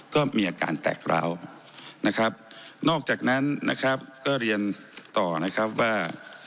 ก็มีอาการแตกร้าวนะครับนอกจากนั้นนะครับก็เรียนต่อนะครับว่า